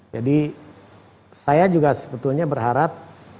jadi saya juga sebetulnya berharap